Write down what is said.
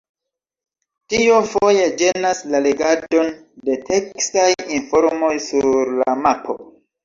Tio foje ĝenas la legadon de tekstaj informoj sur la mapo.